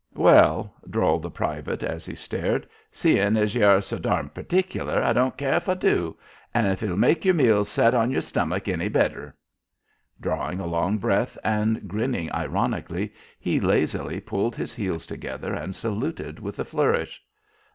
"Well," drawled the private, as he stared, "seein' as ye are so darn perticular, I don't care if I do if it'll make yer meals set on yer stomick any better." Drawing a long breath and grinning ironically, he lazily pulled his heels together and saluted with a flourish.